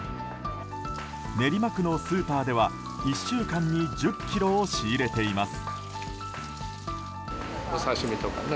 練馬区のスーパーでは、１週間に１０ｋｇを仕入れています。